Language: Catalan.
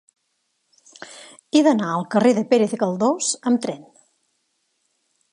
He d'anar al carrer de Pérez Galdós amb tren.